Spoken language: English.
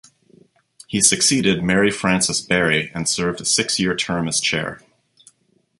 He succeeded Mary Frances Berry and served a six-year term as Chair.